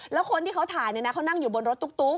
แล้วคนที่เขาถ่ายเขานั่งอยู่บนรถตุ๊ก